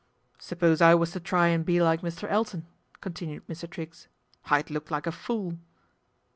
" Suppose I was to try and be like Mr. Elton," continued Mr. Triggs, " I'd look like a fool."